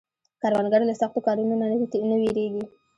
کروندګر له سختو کارونو نه نه ویریږي